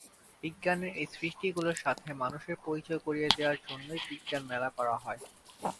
বিজ্ঞানের এই সৃষ্টিগুলাের সাথে মানুষের পরিচয় করিয়ে দেয়ার জন্যই বিজ্ঞান মেলা করা হয়।